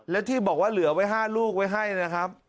และที่บอกว่าเหลือไว้๕ลูกไว้ให้นะครับ